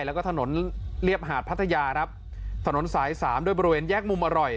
แล้วก็ถนนเรียบหาดพัทยาครับถนนสายสามด้วยบริเวณแยกมุมอร่อย